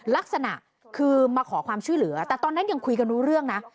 ลักษณะคือมาขอความช่วยเหลือแต่ตอนนั้นยังคุยกันรู้เรื่องนะ